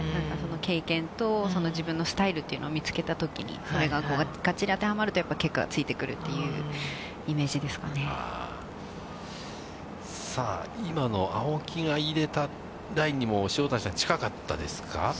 経験と、自分のスタイルっていうのを見つけたときに、それがかっちりと当てはまると結果がついてくるっていうイメージさあ、今の青木が入れたラインにも塩谷さん、近かったですか。